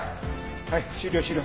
はい終了終了。